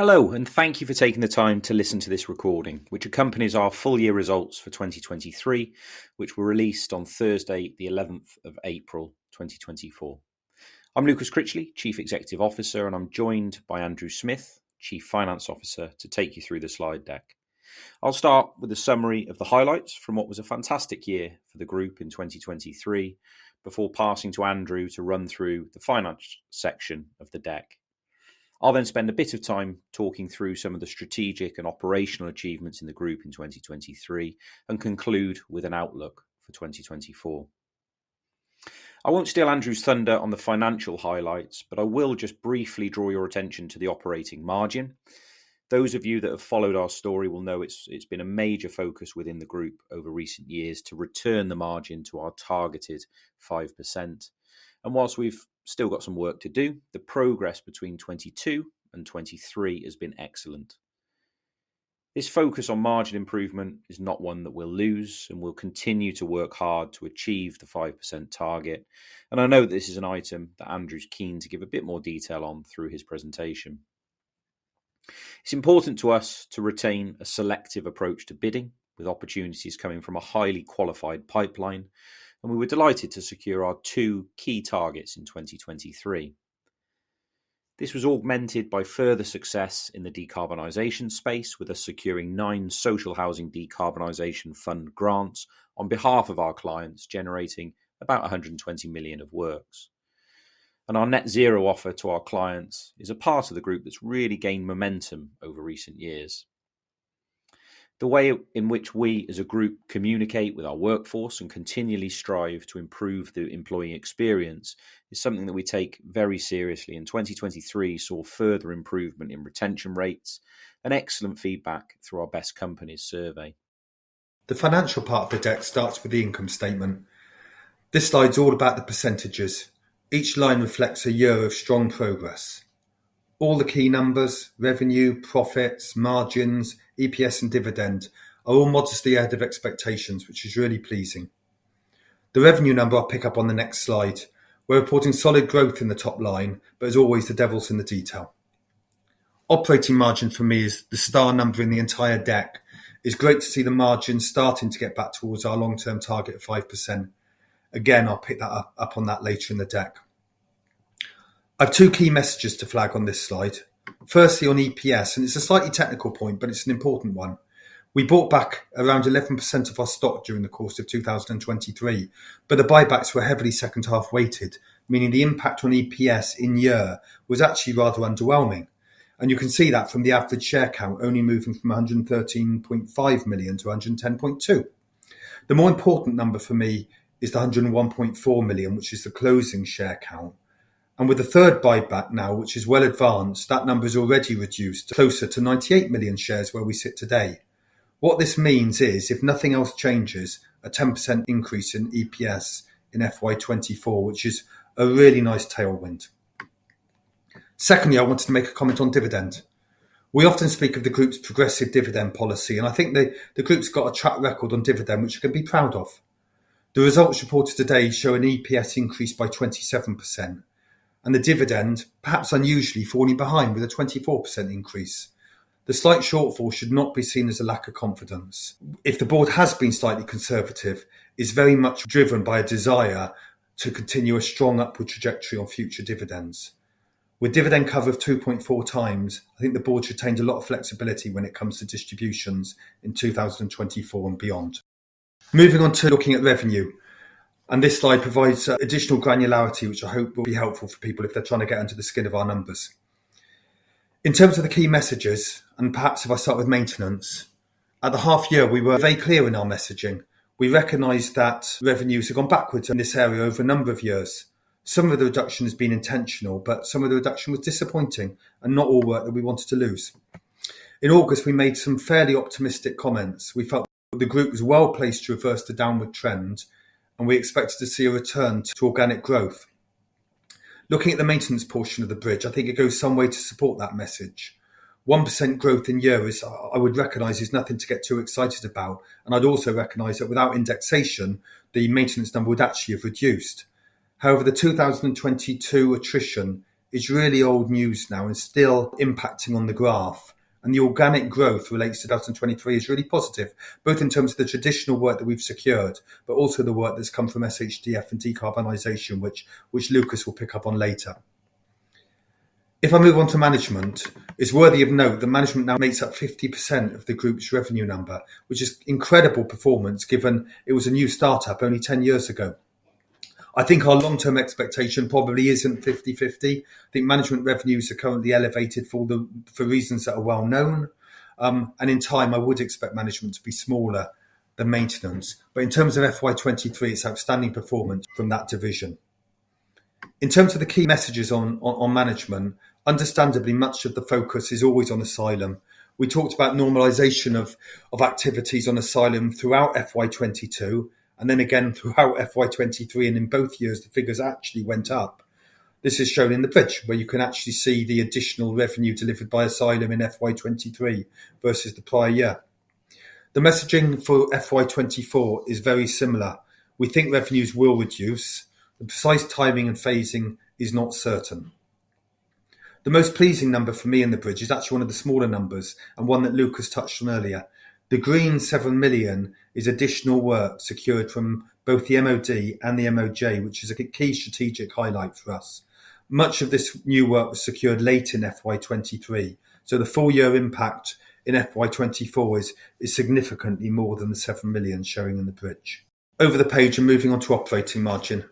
Hello, and thank you for taking the time to listen to this recording, which accompanies our full-year results for 2023, which were released on Thursday, 11 April 2024. I'm Lucas Critchley, Chief Executive Officer, and I'm joined by Andrew Smith, Chief Finance Officer, to take you through the slide deck. I'll start with a summary of the highlights from what was a fantastic year for the group in 2023, before passing to Andrew to run through the finance section of the deck. I'll then spend a bit of time talking through some of the strategic and operational achievements in the group in 2023, and conclude with an outlook for 2024. I won't steal Andrew's thunder on the financial highlights, but I will just briefly draw your attention to the operating margin. Those of you that have followed our story will know it's been a major focus within the group over recent years to return the margin to our targeted 5%. While we've still got some work to do, the progress between 2022 and 2023 has been excellent. This focus on margin improvement is not one that we'll lose, and we'll continue to work hard to achieve the 5% target. I know that this is an item that Andrew's keen to give a bit more detail on through his presentation. It's important to us to retain a selective approach to bidding, with opportunities coming from a highly qualified pipeline, and we were delighted to secure our two key targets in 2023. This was augmented by further success in the decarbonisation space, with us securing nine Social Housing Decarbonisation Fund grants on behalf of our clients, generating about 120 million of works. Our net-zero offer to our clients is a part of the group that's really gained momentum over recent years. The way in which we, as a group, communicate with our workforce and continually strive to improve the employee experience is something that we take very seriously. In 2023, we saw further improvement in retention rates and excellent feedback through our Best Companies survey. The financial part of the deck starts with the income statement. This slide's all about the percentages. Each line reflects a year of strong progress. All the key numbers - revenue, profits, margins, EPS, and dividend - are all modestly ahead of expectations, which is really pleasing. The revenue number I'll pick up on the next slide. We're reporting solid growth in the top line, but as always, the devil's in the detail. Operating margin, for me, is the star number in the entire deck. It's great to see the margin starting to get back towards our long-term target of 5%. Again, I'll pick that up on that later in the deck. I have two key messages to flag on this slide. Firstly, on EPS, and it's a slightly technical point, but it's an important one. We bought back around 11% of our stock during the course of 2023, but the buybacks were heavily second-half weighted, meaning the impact on EPS in year was actually rather underwhelming. You can see that from the average share count only moving from 113.5 million to 110.2. The more important number for me is the 101.4 million, which is the closing share count. With the third buyback now, which is well advanced, that number's already reduced to closer to 98 million shares where we sit today. What this means is, if nothing else changes, a 10% increase in EPS in FY 2024, which is a really nice tailwind. Secondly, I wanted to make a comment on dividend. We often speak of the group's progressive dividend policy, and I think the group's got a track record on dividend which we can be proud of. The results reported today show an EPS increase by 27%, and the dividend, perhaps unusually, falling behind with a 24% increase. The slight shortfall should not be seen as a lack of confidence. If the board has been slightly conservative, it's very much driven by a desire to continue a strong upward trajectory on future dividends. With dividend cover of 2.4x, I think the board's retained a lot of flexibility when it comes to distributions in 2024 and beyond. Moving on to looking at revenue, and this slide provides additional granularity, which I hope will be helpful for people if they're trying to get under the skin of our numbers. In terms of the key messages, and perhaps if I start with maintenance, at the half-year, we were very clear in our messaging. We recognized that revenues had gone backwards in this area over a number of years. Some of the reduction has been intentional, but some of the reduction was disappointing and not all work that we wanted to lose. In August, we made some fairly optimistic comments. We felt that the group was well placed to reverse the downward trend, and we expected to see a return to organic growth. Looking at the maintenance portion of the bridge, I think it goes some way to support that message. 1% growth in year is, I would recognise, nothing to get too excited about, and I'd also recognise that without indexation, the maintenance number would actually have reduced. However, the 2022 attrition is really old news now and still impacting on the graph. And the organic growth relates. 2023 is really positive, both in terms of the traditional work that we've secured, but also the work that's come from SHDF and decarbonization, which Lucas will pick up on later. If I move on to management, it's worthy of note that management now makes up 50% of the group's revenue number, which is incredible performance given it was a new startup only 10 years ago. I think our long-term expectation probably isn't 50/50. I think management revenues are currently elevated for reasons that are well known. In time, I would expect management to be smaller than maintenance. In terms of FY 2023, it's outstanding performance from that division. In terms of the key messages on management, understandably, much of the focus is always on asylum. We talked about normalisation of activities on asylum throughout FY 2022, and then again throughout FY 2023, and in both years, the figures actually went up. This is shown in the bridge, where you can actually see the additional revenue delivered by asylum in FY 2023 versus the prior year. The messaging for FY 2024 is very similar. We think revenues will reduce. The precise timing and phasing is not certain. The most pleasing number for me in the bridge is actually one of the smaller numbers and one that Lucas touched on earlier. The green 7 million is additional work secured from both the MOD and the MOJ, which is a key strategic highlight for us. Much of this new work was secured late in FY 2023, so the full-year impact in FY 2024 is significantly more than the 7 million showing in the bridge. Over the page and moving on to operating margin.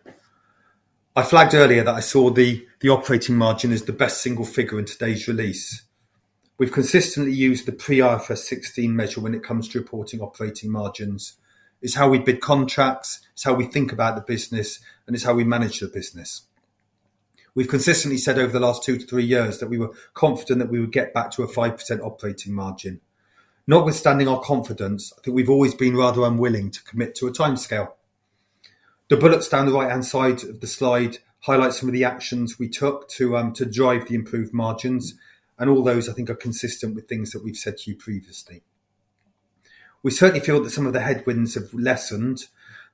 I flagged earlier that I saw the operating margin as the best single figure in today's release. We've consistently used the IFRS 16 measure when it comes to reporting operating margins. It's how we bid contracts, it's how we think about the business, and it's how we manage the business. We've consistently said over the last two to three years that we were confident that we would get back to a 5% operating margin. Notwithstanding our confidence, I think we've always been rather unwilling to commit to a timescale. The bullets down the right-hand side of the slide highlight some of the actions we took to drive the improved margins, and all those, I think, are consistent with things that we've said to you previously. We certainly feel that some of the headwinds have lessened.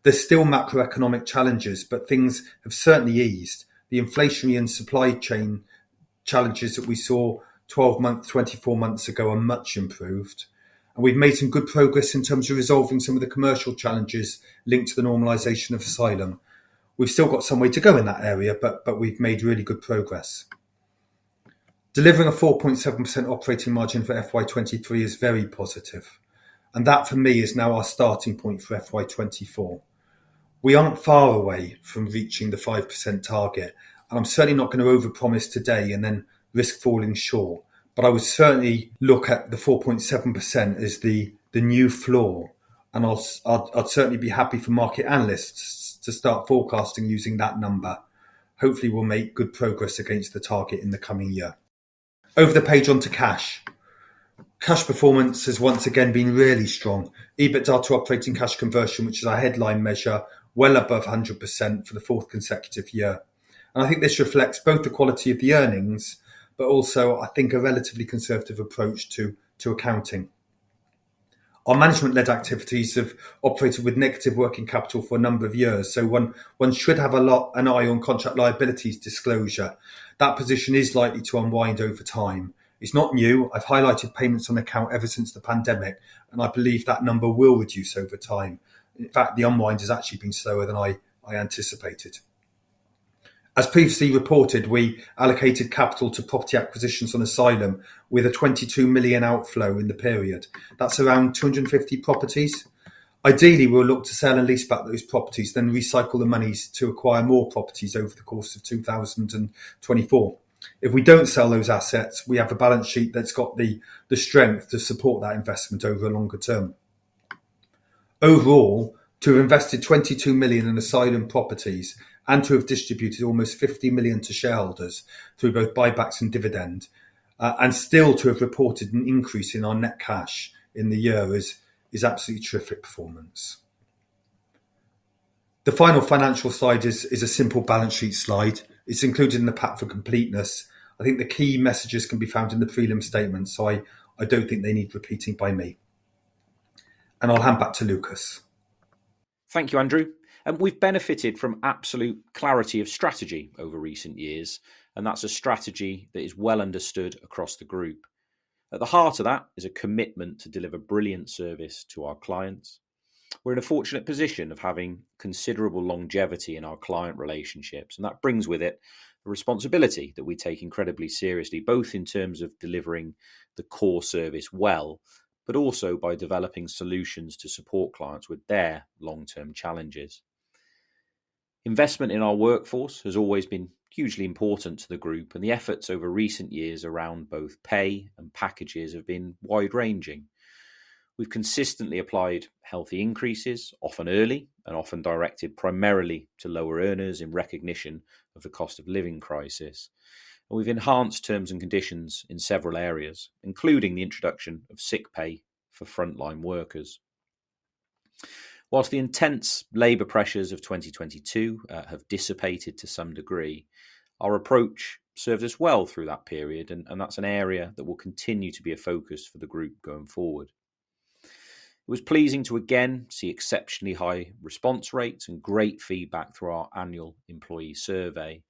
There's still macroeconomic challenges, but things have certainly eased. The inflationary and supply chain challenges that we saw 12 months, 24 months ago are much improved, and we've made some good progress in terms of resolving some of the commercial challenges linked to the normalization of asylum. We've still got some way to go in that area, but we've made really good progress. Delivering a 4.7% operating margin for FY 2023 is very positive, and that, for me, is now our starting point for FY 2024. We aren't far away from reaching the 5% target, and I'm certainly not going to overpromise today and then risk falling short, but I would certainly look at the 4.7% as the new floor, and I'd certainly be happy for market analysts to start forecasting using that number. Hopefully, we'll make good progress against the target in the coming year. Over the page onto cash. Cash performance has once again been really strong. EBITDA to operating cash conversion, which is our headline measure, is well above 100% for the fourth consecutive year. I think this reflects both the quality of the earnings, but also, I think, a relatively conservative approach to accounting. Our management-led activities have operated with negative working capital for a number of years, so one should have an eye on contract liabilities disclosure. That position is likely to unwind over time. It's not new. I've highlighted payments on account ever since the pandemic, and I believe that number will reduce over time. In fact, the unwind has actually been slower than I anticipated. As previously reported, we allocated capital to property acquisitions on asylum with a 22 million outflow in the period. That's around 250 properties. Ideally, we'll look to sell and lease back those properties, then recycle the monies to acquire more properties over the course of 2024. If we don't sell those assets, we have a balance sheet that's got the strength to support that investment over a longer term. Overall, to have invested 22 million in asylum properties and to have distributed almost 50 million to shareholders through both buybacks and dividend, and still to have reported an increase in our net cash in the year is absolutely terrific performance. The final financial slide is a simple balance sheet slide. It's included in the pack for completeness. I think the key messages can be found in the prelim statement, so I don't think they need repeating by me. I'll hand back to Lucas. Thank you, Andrew. We've benefited from absolute clarity of strategy over recent years, and that's a strategy that is well understood across the group. At the heart of that is a commitment to deliver brilliant service to our clients. We're in a fortunate position of having considerable longevity in our client relationships, and that brings with it the responsibility that we take incredibly seriously, both in terms of delivering the core service well, but also by developing solutions to support clients with their long-term challenges. Investment in our workforce has always been hugely important to the group, and the efforts over recent years around both pay and packages have been wide-ranging. We've consistently applied healthy increases, often early and often directed primarily to lower earners in recognition of the cost of living crisis, and we've enhanced terms and conditions in several areas, including the introduction of sick pay for frontline workers. While the intense labor pressures of 2022 have dissipated to some degree, our approach served us well through that period, and that's an area that will continue to be a focus for the group going forward. It was pleasing to again see exceptionally high response rates and great feedback through our annual employee survey,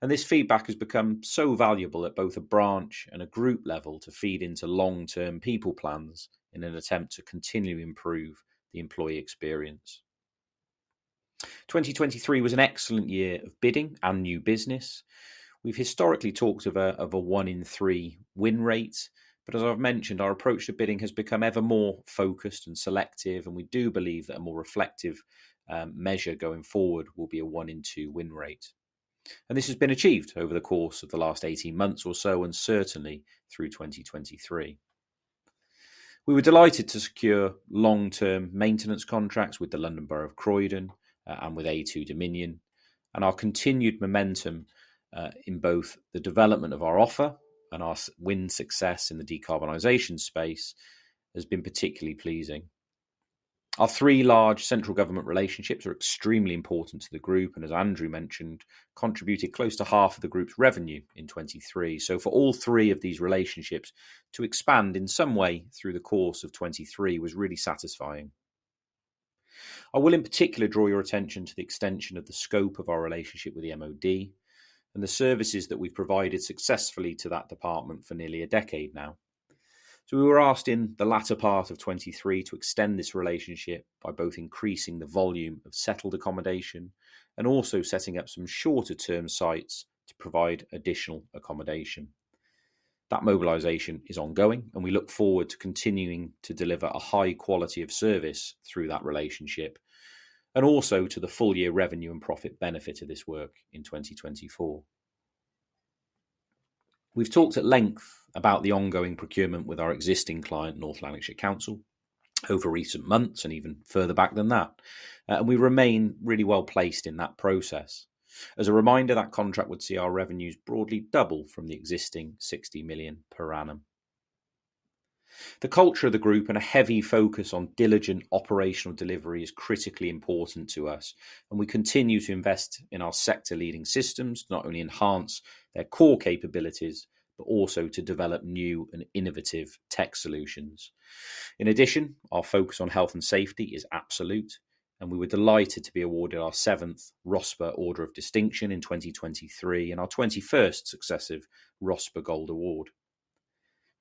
and this feedback has become so valuable at both a branch and a group level to feed into long-term people plans in an attempt to continue to improve the employee experience. 2023 was an excellent year of bidding and new business. We've historically talked of a one-in-three win rate, but as I've mentioned, our approach to bidding has become ever more focused and selective, and we do believe that a more reflective measure going forward will be a one-in-two win rate. This has been achieved over the course of the last 18 months or so, and certainly through 2023. We were delighted to secure long-term maintenance contracts with the London Borough of Croydon and with A2Dominion, and our continued momentum in both the development of our offer and our win success in the decarbonization space has been particularly pleasing. Our three large central government relationships are extremely important to the group and, as Andrew mentioned, contributed close to half of the group's revenue in 2023, so for all three of these relationships to expand in some way through the course of 2023 was really satisfying. I will, in particular, draw your attention to the extension of the scope of our relationship with the MOD and the services that we've provided successfully to that department for nearly a decade now. We were asked in the latter part of 2023 to extend this relationship by both increasing the volume of settled accommodation and also setting up some shorter-term sites to provide additional accommodation. That mobilisation is ongoing, and we look forward to continuing to deliver a high quality of service through that relationship and also to the full-year revenue and profit benefit of this work in 2024. We've talked at length about the ongoing procurement with our existing client, North Lanarkshire Council, over recent months and even further back than that, and we remain really well placed in that process. As a reminder, that contract would see our revenues broadly double from the existing 60 million per annum. The culture of the group and a heavy focus on diligent operational delivery is critically important to us, and we continue to invest in our sector-leading systems to not only enhance their core capabilities but also to develop new and innovative tech solutions. In addition, our focus on health and safety is absolute, and we were delighted to be awarded our seventh RoSPA Order of Distinction in 2023 and our 21st successive RoSPA Gold Award.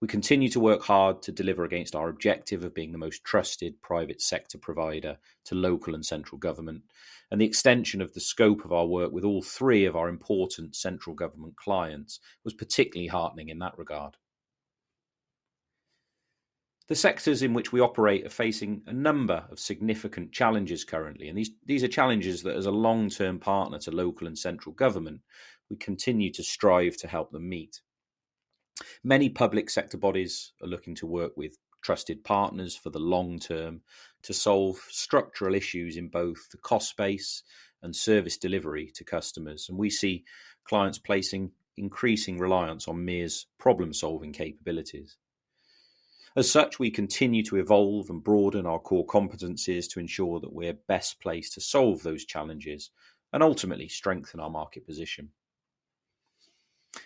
We continue to work hard to deliver against our objective of being the most trusted private sector provider to local and central government, and the extension of the scope of our work with all three of our important central government clients was particularly heartening in that regard. The sectors in which we operate are facing a number of significant challenges currently, and these are challenges that, as a long-term partner to local and central government, we continue to strive to help them meet. Many public sector bodies are looking to work with trusted partners for the long term to solve structural issues in both the cost base and service delivery to customers, and we see clients placing increasing reliance on Mears' problem-solving capabilities. As such, we continue to evolve and broaden our core competencies to ensure that we're best placed to solve those challenges and ultimately strengthen our market position.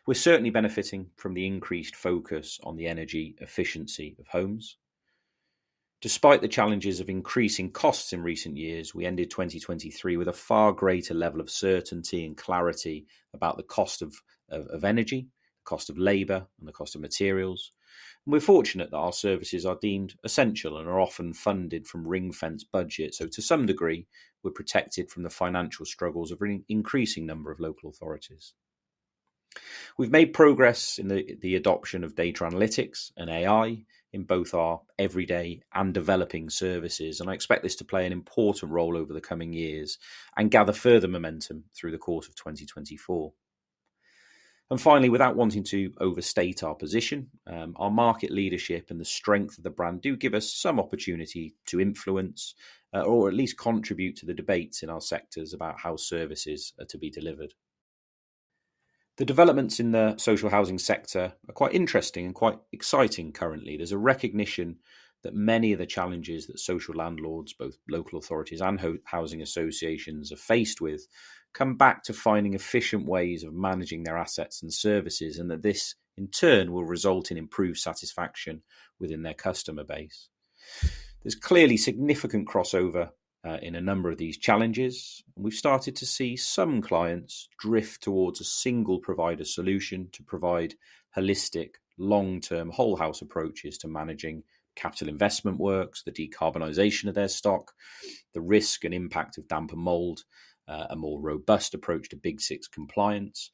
We're certainly benefiting from the increased focus on the energy efficiency of homes. Despite the challenges of increasing costs in recent years, we ended 2023 with a far greater level of certainty and clarity about the cost of energy, the cost of labor, and the cost of materials. We're fortunate that our services are deemed essential and are often funded from ring-fence budgets, so to some degree, we're protected from the financial struggles of an increasing number of local authorities. We've made progress in the adoption of data analytics and AI in both our everyday and developing services, and I expect this to play an important role over the coming years and gather further momentum through the course of 2024. Finally, without wanting to overstate our position, our market leadership and the strength of the brand do give us some opportunity to influence or at least contribute to the debates in our sectors about how services are to be delivered. The developments in the social housing sector are quite interesting and quite exciting currently. There's a recognition that many of the challenges that social landlords, both local authorities and housing associations, are faced with come back to finding efficient ways of managing their assets and services, and that this, in turn, will result in improved satisfaction within their customer base. There's clearly significant crossover in a number of these challenges, and we've started to see some clients drift towards a single provider solution to provide holistic, long-term whole-house approaches to managing capital investment works, the decarbonization of their stock, the risk and impact of damp and mould, a more robust approach to Big Six compliance,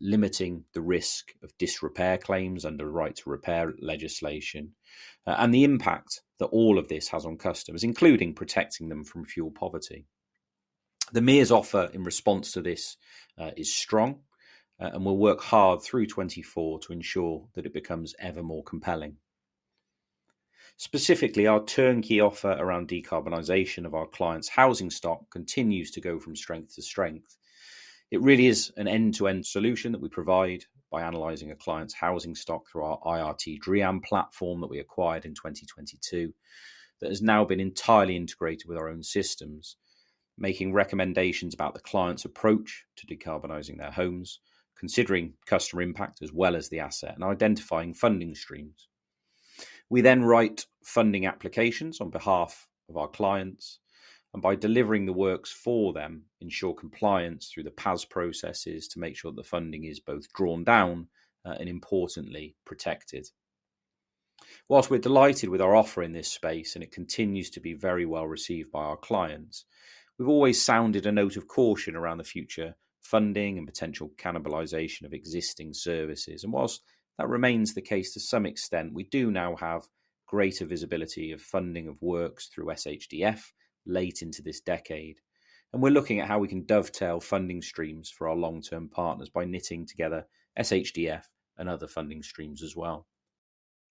limiting the risk of disrepair claims under Right to Repair legislation, and the impact that all of this has on customers, including protecting them from fuel poverty. The Mears' offer in response to this is strong, and we'll work hard through 2024 to ensure that it becomes ever more compelling. Specifically, our turnkey offer around decarbonization of our clients' housing stock continues to go from strength to strength. It really is an end-to-end solution that we provide by analyzing a client's housing stock through our IRT DREam platform that we acquired in 2022 that has now been entirely integrated with our own systems, making recommendations about the client's approach to decarbonizing their homes, considering customer impact as well as the asset, and identifying funding streams. We then write funding applications on behalf of our clients, and by delivering the works for them, ensure compliance through the PAS processes to make sure that the funding is both drawn down and, importantly, protected. While we're delighted with our offer in this space and it continues to be very well received by our clients, we've always sounded a note of caution around the future funding and potential cannibalisation of existing services. While that remains the case to some extent, we do now have greater visibility of funding of works through SHDF late into this decade, and we're looking at how we can dovetail funding streams for our long-term partners by knitting together SHDF and other funding streams as well.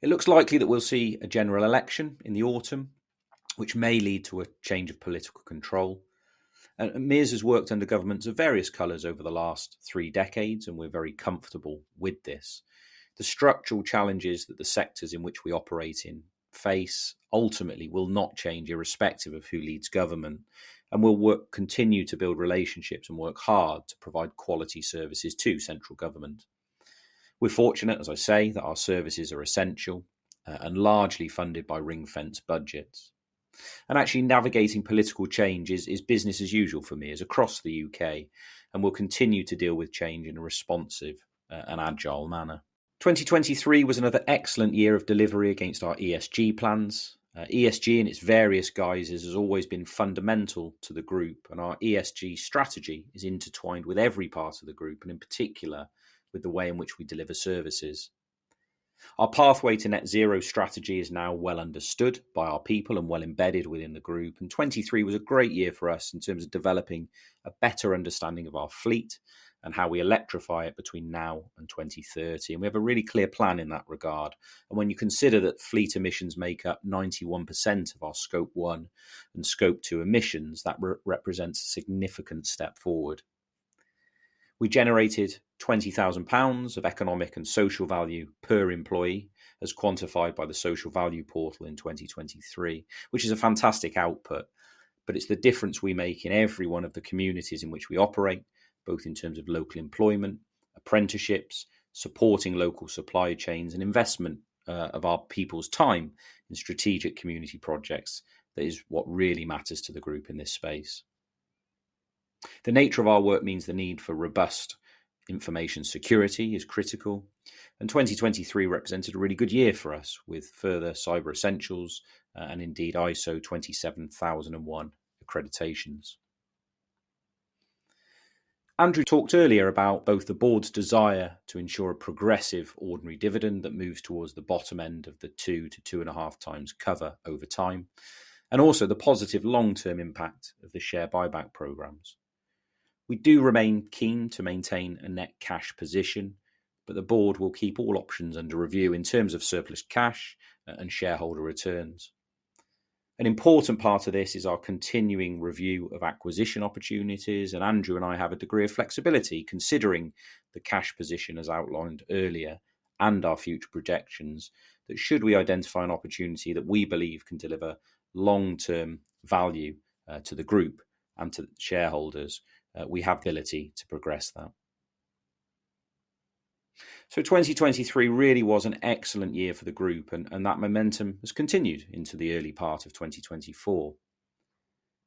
It looks likely that we'll see a general election in the autumn, which may lead to a change of political control. Mears has worked under governments of various colours over the last three decades, and we're very comfortable with this. The structural challenges that the sectors in which we operate in face ultimately will not change irrespective of who leads government, and we'll continue to build relationships and work hard to provide quality services to central government. We're fortunate, as I say, that our services are essential and largely funded by ring-fence budgets. Actually, navigating political change is business as usual for Mears across the U.K., and we'll continue to deal with change in a responsive and agile manner. 2023 was another excellent year of delivery against our ESG plans. ESG, in its various guises, has always been fundamental to the group, and our ESG strategy is intertwined with every part of the group and, in particular, with the way in which we deliver services. Our pathway to net-zero strategy is now well understood by our people and well embedded within the group, and 2023 was a great year for us in terms of developing a better understanding of our fleet and how we electrify it between now and 2030, and we have a really clear plan in that regard. When you consider that fleet emissions make up 91% of our Scope 1 and Scope 2 emissions, that represents a significant step forward. We generated 20,000 pounds of economic and social value per employee, as quantified by the Social Value Portal in 2023, which is a fantastic output, but it's the difference we make in every one of the communities in which we operate, both in terms of local employment, apprenticeships, supporting local supply chains, and investment of our people's time in strategic community projects that is what really matters to the group in this space. The nature of our work means the need for robust information security is critical, and 2023 represented a really good year for us with further Cyber Essentials and, indeed, ISO 27001 accreditations. Andrew talked earlier about both the board's desire to ensure a progressive ordinary dividend that moves towards the bottom end of the 2x-2.5x cover over time and also the positive long-term impact of the share buyback programmes. We do remain keen to maintain a net cash position, but the board will keep all options under review in terms of surplus cash and shareholder returns. An important part of this is our continuing review of acquisition opportunities, and Andrew and I have a degree of flexibility considering the cash position as outlined earlier and our future projections that should we identify an opportunity that we believe can deliver long-term value to the group and to shareholders, we have the ability to progress that. So 2023 really was an excellent year for the group, and that momentum has continued into the early part of 2024.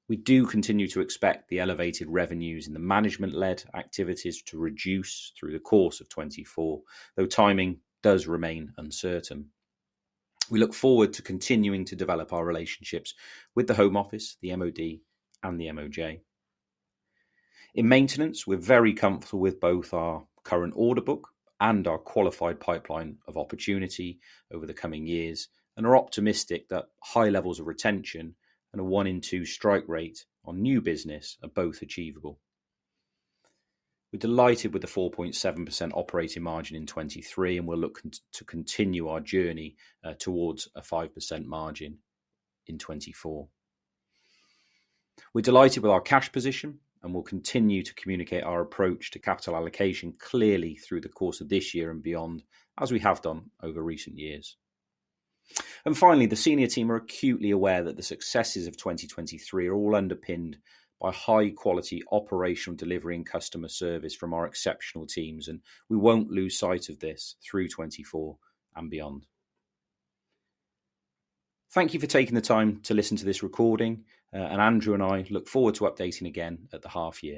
We do continue to expect the elevated revenues in the management-led activities to reduce through the course of 2024, though timing does remain uncertain. We look forward to continuing to develop our relationships with the Home Office, the MOD, and the MOJ. In maintenance, we're very comfortable with both our current order book and our qualified pipeline of opportunity over the coming years, and are optimistic that high levels of retention and a one-in-two strike rate on new business are both achievable. We're delighted with the 4.7% operating margin in 2023, and we'll look to continue our journey towards a 5% margin in 2024. We're delighted with our cash position, and we'll continue to communicate our approach to capital allocation clearly through the course of this year and beyond, as we have done over recent years. Finally, the senior team are acutely aware that the successes of 2023 are all underpinned by high-quality operational delivery and customer service from our exceptional teams, and we won't lose sight of this through 2024 and beyond. Thank you for taking the time to listen to this recording, and Andrew and I look forward to updating again at the half-year.